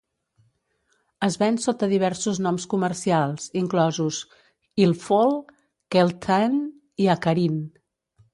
Es ven sota diversos noms comercials, inclosos "Hilfol", "Kelthane" i "Acarin".